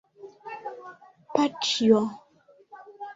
Paĉjo!